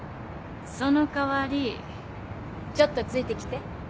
その代わりちょっとついてきて。